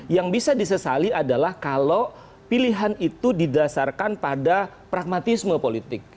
yang bisa disesali adalah kalau pilihan itu didasarkan pada pragmatisme politik